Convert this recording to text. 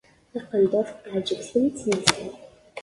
Taqendurt teɛǧeb tin i tt-ilsan.